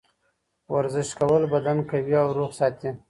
ورزش کول بدن قوي او روغ ساتي.